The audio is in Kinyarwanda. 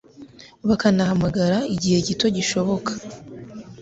bakanahamara igihe gito gishoboka